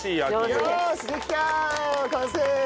完成！